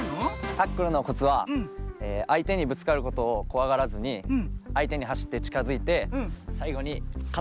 タックルのコツはあいてにぶつかることをこわがらずにあいてにはしってちかづいてさいごにかたで。